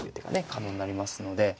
可能になりますので。